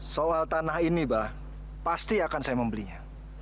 soal tanah ini bah pasti akan saya membelinya